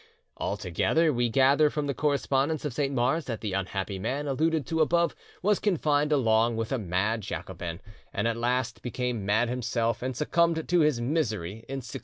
Altogether, we gather from the correspondence of Saint Mars that the unhappy man alluded to above was confined along with a mad Jacobin, and at last became mad himself, and succumbed to his misery in 1686.